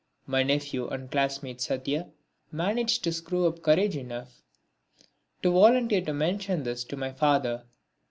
My nephew and classmate Satya managed to screw up courage enough to volunteer to mention this to my father.